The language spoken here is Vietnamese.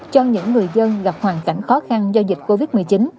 cho những người dân gặp hoàn cảnh khó khăn do dịch covid một mươi chín